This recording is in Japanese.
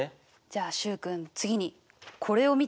じゃあ習君次にこれを見て。